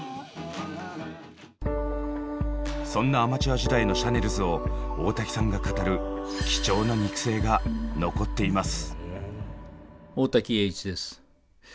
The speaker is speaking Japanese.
そんなアマチュア時代のシャネルズを大滝さんが語る貴重な肉声が残っています。